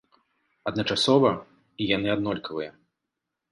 Адначасова, і яны аднолькавыя!